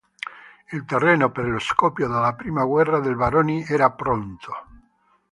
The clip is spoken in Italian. Il terreno per lo scoppio della prima guerra dei baroni era pronto.